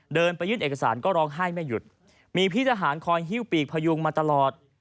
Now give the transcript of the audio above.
เดินไปยื่นเอกสารก็ร้องไห้ไม่หยุดมีพี่ทหารคอยหิ้วปีกพยุงมาตลอด